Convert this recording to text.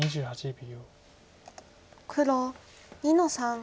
２８秒。